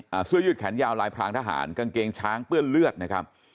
เสื้อยืดแขนยาวลายพรางทหารกางเกงช้างเปื้อนเลือดนะครับ